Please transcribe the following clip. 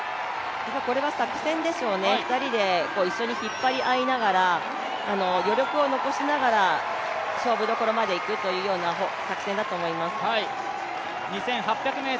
これは作戦でしょうね、２人で引っ張り合いながら余力を残しながら、勝負どころまでいくという作戦だと思います。